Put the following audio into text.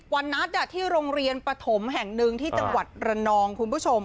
วันนัดที่โรงเรียนปฐมแห่งหนึ่งที่จังหวัดระนองคุณผู้ชม